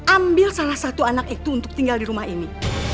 ambil salah satu anak itu untuk tinggal di rumah ini